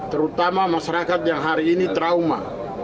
terutama masyarakat yang hari ini trauma